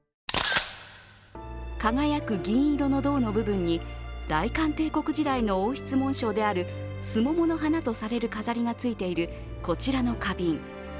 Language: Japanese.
輝く銀色の胴の部分に、大韓帝国時代の王室紋章であるスモモの花とされる飾りがついているこちらの花瓶。